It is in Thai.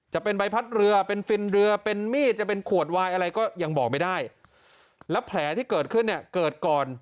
จะเป็นใบพัดเรือเป็นฟิลเรือเป็นมีด